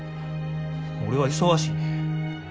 俺は忙しいねん。